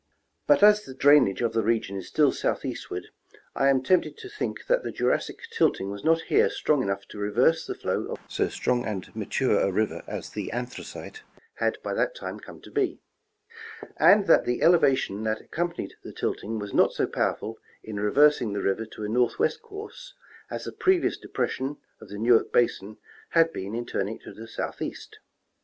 But as the drainage of the region is still southeastward, I am tempted to think that the Jurassic tilting was not here strong enough to reverse the flow of so strong and mature a river as the Anthracite had by that time The Rivers and Yalleys of Pennsylvania. 231 come to be ; and that the elevation that accompanied the tilting was not so powerful in reversing the river to a northwest course as the previous depression of the Newark basin had been in turning it to the southeast.